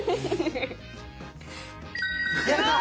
やった！